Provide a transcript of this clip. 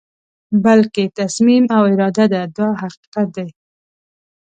بلکې تصمیم او اراده ده دا حقیقت دی.